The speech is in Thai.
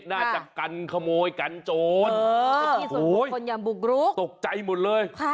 น่าจะกันขโมยกันโจทย์